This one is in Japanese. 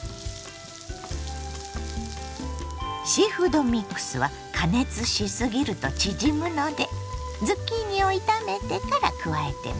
シーフードミックスは加熱しすぎると縮むのでズッキーニを炒めてから加えてね。